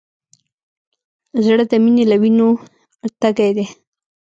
زړه د مینې له وینو تږی دی.